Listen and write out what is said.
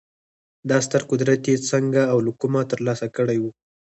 دا ستر قدرت یې څنګه او له کومه ترلاسه کړی و